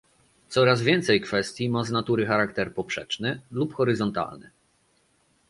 Coraz więcej kwestii ma z natury charakter poprzeczny lub horyzontalny